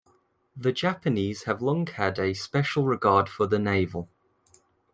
The Japanese have long had a special regard for the navel.